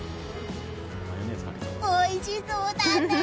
おいしそうだねー！